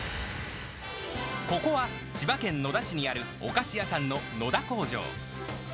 ここは千葉県野田市にある、お菓子屋さんの野田工場。